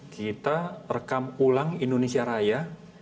kita rekam ulang indonesia raya